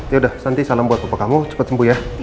yaudah nanti salam buat bapak kamu cepet sembuh ya